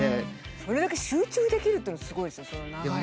それだけ集中できるっていうのすごいですね